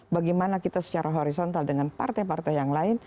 bagaimana kita secara horizontal dengan partai partai yang lain